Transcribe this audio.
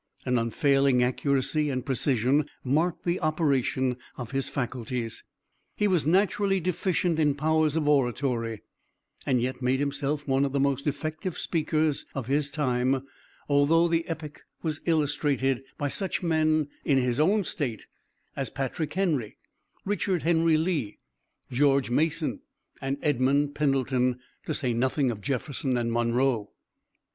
An unfailing accuracy and precision marked the operation of his faculties. He was naturally deficient in powers of oratory, and yet made himself one of the most effective speakers of his time, although the epoch was illustrated by such men in his own State as Patrick Henry, Richard Henry Lee, George Mason and Edmund Pendleton, to say nothing of Jefferson and Monroe.